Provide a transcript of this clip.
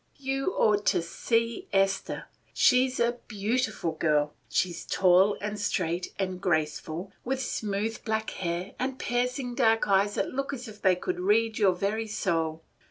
You ought to see Esther. She 's a beautiful girl; she 's tall, and straight, and graceful, with smooth black hair, and piercing dark eyes that look as if they could read your very soul.